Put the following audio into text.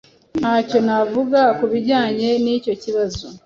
Ntacyo navuga kubijyanye nicyo kibazo.